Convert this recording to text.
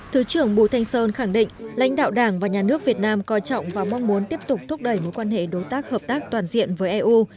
thứ trưởng bùi thanh sơn khẳng định lãnh đạo đảng và nhà nước việt nam coi trọng và mong muốn tiếp tục thúc đẩy mối quan hệ đối tác hợp tác toàn diện với eu